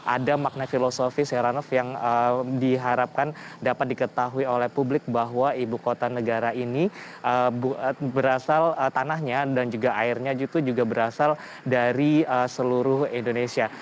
ada makna filosofis heranov yang diharapkan dapat diketahui oleh publik bahwa ibu kota negara ini berasal tanahnya dan juga airnya itu juga berasal dari seluruh indonesia